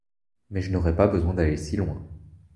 Mais je n’aurais pas besoin d’aller si loin.